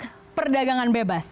dia menolak perdagangan bebas